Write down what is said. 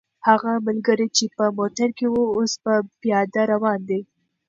هغه ملګری چې په موټر کې و، اوس په پیاده روان دی.